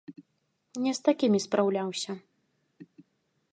Не з такімі спраўляўся.